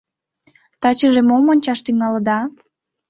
— Тачыже мом ончаш тӱҥалыда?